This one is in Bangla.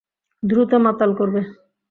দ্রুত মাতাল করবে!